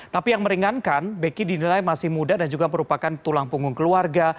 tapi yang meringankan beki dinilai masih muda dan juga merupakan tulang punggung keluarga